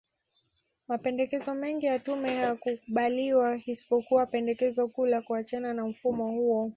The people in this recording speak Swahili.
Mapendekezo mengi ya tume hayakukubaliwa isipokuwa pendekezo kuu la kuachana na mfumo huo